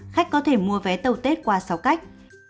khách có thể mua vé tàu tết qua sáu cách